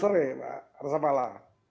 selamat sore mbak rasa mala